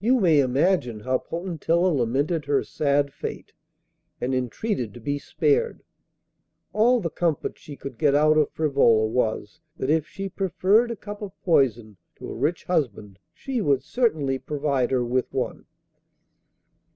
You may imagine how Potentilla lamented her sad fate, and entreated to be spared. All the comfort she could get out of Frivola was, that if she preferred a cup of poison to a rich husband she would certainly provide her with one.